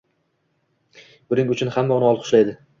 Buning uchun hamma uni olqishlaydi